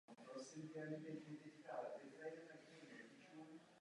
Zde také zemřel a byl pohřben.